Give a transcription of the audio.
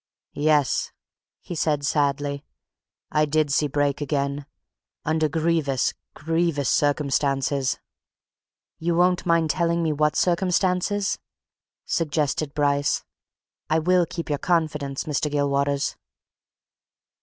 "Yes!" he said sadly. "I did see Brake again under grievous, grievous circumstances!" "You won't mind telling me what circumstances?" suggested Bryce. "I will keep your confidence, Mr. Gilwaters."